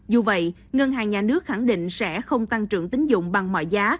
dù vậy ngân hàng nhà nước khẳng định sẽ không tăng trưởng tín dụng bằng mọi giá